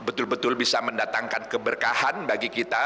betul betul bisa mendatangkan keberkahan bagi kita